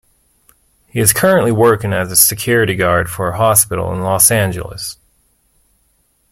He is currently working as a security guard for a hospital in Los Angeles.